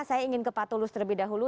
saya ingin ke pak tulus terlebih dahulu